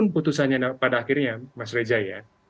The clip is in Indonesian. putusannya pada akhirnya mas reza ya